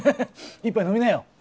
１杯飲みなよ。